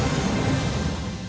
xin kính chào tạm biệt